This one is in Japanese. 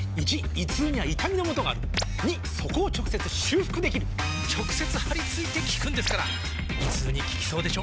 ①胃痛には痛みのもとがある②そこを直接修復できる直接貼り付いて効くんですから胃痛に効きそうでしょ？